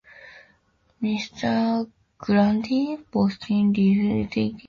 Mr. Grundy’s positive refusal to gratify the company occasioned another silence.